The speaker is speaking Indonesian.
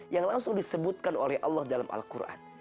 yang langsung disebutkan oleh allah dalam al quran